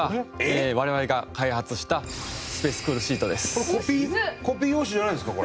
これコピー用紙じゃないんですか？